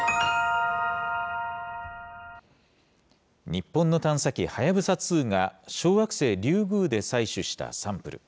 日本の探査機、はやぶさ２が小惑星リュウグウで採取したサンプル。